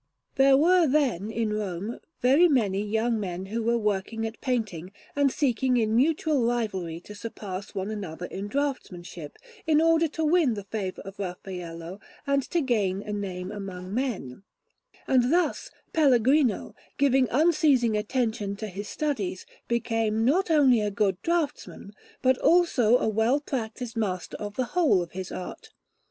There were then in Rome very many young men who were working at painting and seeking in mutual rivalry to surpass one another in draughtsmanship, in order to win the favour of Raffaello and to gain a name among men; and thus Pellegrino, giving unceasing attention to his studies, became not only a good draughtsman, but also a well practised master of the whole of his art.